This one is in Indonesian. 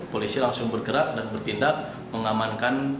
polisi langsung bergerak dan bertindak mengamankan